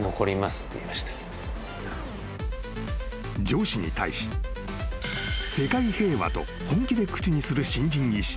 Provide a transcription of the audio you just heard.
［上司に対し世界平和と本気で口にする新人医師。